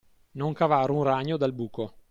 Non cavar un ragno dal buco.